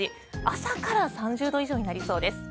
朝から３０度以上になりそうです。